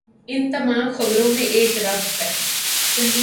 ان تمام خبروں میں ایک ربط ہے۔